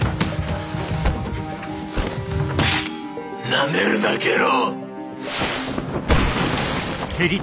なめるな下郎！